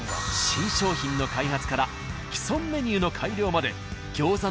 新商品の開発から既存メニューの改良まであっ道場。